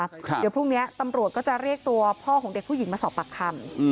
เดี๋ยวพรุ่งนี้ตำรวจก็จะเรียกตัวพ่อของเด็กผู้หญิงมาสอบปากคำ